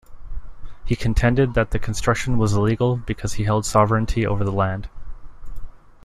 He contended that the construction was illegal because he held sovereignty over the land.